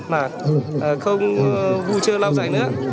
mà không vui chơi lao dạy nữa